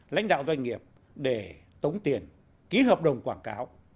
lãnh đạo doanh nghiệp để tống tiền ký hợp đồng quảng cáo